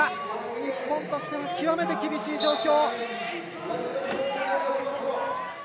日本として極めて厳しい状況。